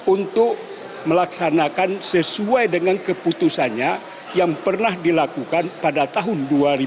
untuk melaksanakan sesuai dengan keputusannya yang pernah dilakukan pada tahun dua ribu lima belas